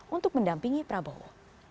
untuk mendampingi prabowo